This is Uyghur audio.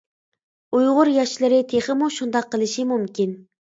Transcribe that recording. ئۇيغۇر ياشلىرى تېخىمۇ شۇنداق قىلىشى مۇمكىن.